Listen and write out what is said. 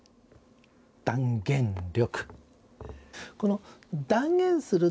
断言力。